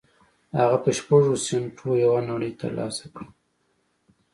هغه په شپږو سينټو يوه نړۍ تر لاسه کړه.